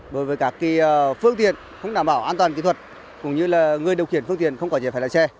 đối với các phương tiện không đảm bảo an toàn kỹ thuật cũng như là người điều khiển phương tiện không có dễ phải lái xe